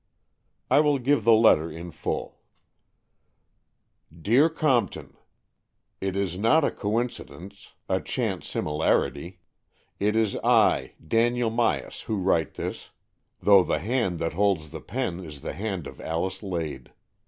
I will give the letter in full —'' Dear Compton, " It is not a coincidence, a chance iSi 152 AN EXCHANGE OF SOULS similarity; it is I, Daniel Myas, who write this, though the hand that holds the pen is the hand of Alice Lade.